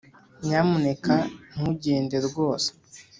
nyamuneka ntugende rwose